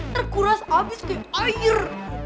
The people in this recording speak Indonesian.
terkuras abis kayak air